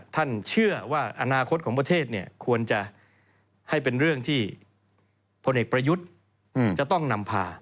ท่านเชื่อว่าอนาคตของประเทศเนี่ยควรจะให้เป็นเรื่องที่พลเอกประยุทธ์จะต้องนำพา